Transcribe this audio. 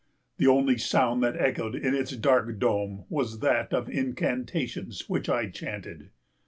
The only sound that echoed in its dark dome was that of incantations which I chanted.